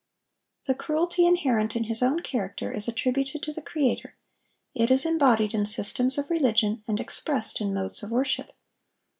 The cruelty inherent in his own character is attributed to the Creator; it is embodied in systems of religion, and expressed in modes of worship.